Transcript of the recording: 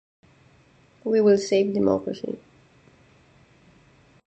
We will save democracy.